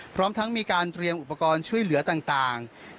พร้อมทั้งมีการเตรียมอุปกรณ์ช่วยเหลือต่าง